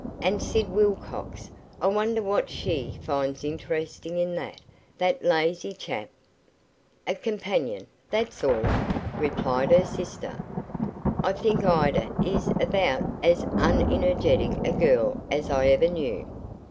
"And Sid Wilcox. I wonder what she finds interesting in that that lazy chap?" "A companion that's all," replied her sister. "I think Ida is about as unenergetic a girl as I ever knew."